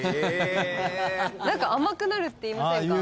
何か甘くなるっていいませんか？